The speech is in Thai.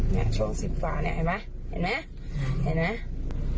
เนี้ยชงสิบฝ่าเนี้ยเห็นป่ะเห็นไหมเห็นไหมอืม